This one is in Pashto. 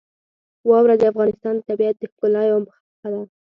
واوره د افغانستان د طبیعت د ښکلا یوه برخه ده.